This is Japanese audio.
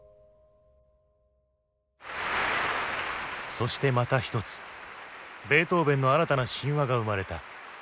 そしてまた一つベートーヴェンの新たな神話が生まれた。